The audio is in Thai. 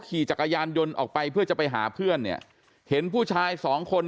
ขี่จักรยานยนต์ออกไปเพื่อจะไปหาเพื่อนเนี่ยเห็นผู้ชายสองคน